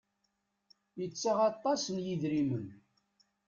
Ittaɣ aṭas n yidrimen.